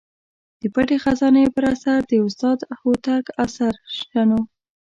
د پټې خزانې پر اثر د استاد هوتک اثر شنو.